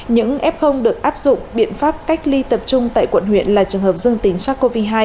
những f được áp dụng biện pháp cách ly tập trung tại quận huyện là trường hợp dương tính sars cov hai